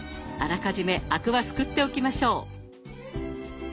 あらかじめアクはすくっておきましょう。